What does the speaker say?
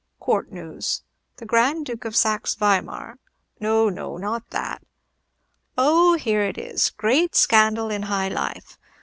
"Court news. The Grand Duke of Saxe Weimar " "No, no; not that." "Oh, here it is. 'Great Scandal in High Life.